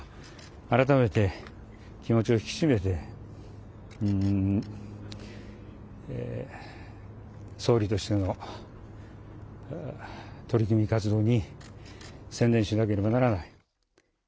改めて気持ちを引き締めて、総理としての取り組み、活動に専念しなければならない。